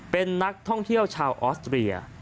เป็นนักท่องเที่ยวชาวออสเตรีย